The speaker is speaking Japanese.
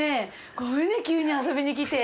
ごめんね急に遊びにきて。